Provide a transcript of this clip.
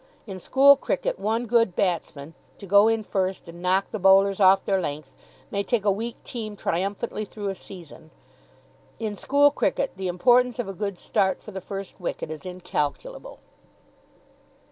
In school cricket one good batsman, to go in first and knock the bowlers off their length, may take a weak team triumphantly through a season. In school cricket the importance of a good start for the first wicket is incalculable.